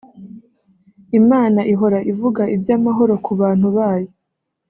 Imana ihora ivuga iby’amahoro ku bantu bayo